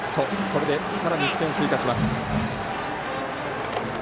これでさらに１点を追加します。